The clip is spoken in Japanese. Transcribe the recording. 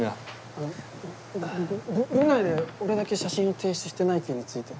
あのぶぶぶ部内で俺だけ写真を提出してない件について。